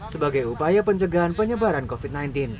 sebagai upaya pencegahan penyebaran covid sembilan belas